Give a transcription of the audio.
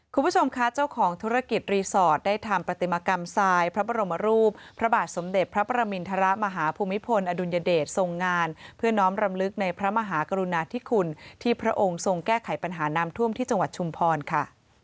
คุณผู้ชมคะเจ้าของธุรกิจรีสอร์ทได้ทำปฏิมากรรมทรายพระบรมรูปพระบาทสมเด็จพระประมินทรมาฮภูมิพลอดุลยเดชทรงงานเพื่อน้อมรำลึกในพระมหากรุณาธิคุณที่พระองค์ทรงแก้ไขปัญหาน้ำท่วมที่จังหวัดชุมพรค่ะ